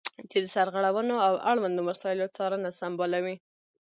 چې د سرغړونو او اړوندو مسایلو څارنه سمبالوي.